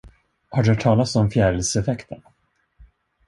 Har du hört talas om fjärilseffekten?